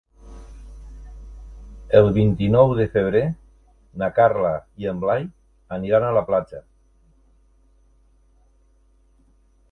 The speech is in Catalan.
El vint-i-nou de febrer na Carla i en Blai aniran a la platja.